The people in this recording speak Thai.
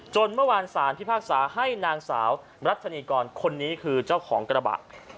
เมื่อวานสารพิพากษาให้นางสาวรัชนีกรคนนี้คือเจ้าของกระบะ